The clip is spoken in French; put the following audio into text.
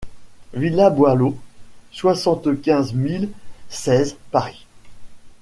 Villa Boileau, soixante-quinze mille seize Paris